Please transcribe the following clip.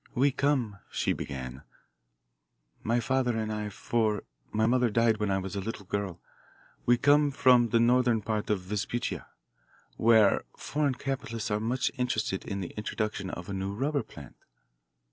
"We come," she began, "my father and I for my mother died when I was a little girl we come from the northern part of Vespuccia, where foreign capitalists are much interested in the introduction of a new rubber plant.